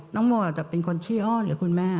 โมอาจจะเป็นคนขี้อ้อนหรือคุณแม่